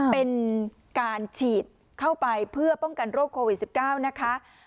เป็นการฉีดเข้าไปเพื่อป้องกันโรคโควิด๑๙นะคะ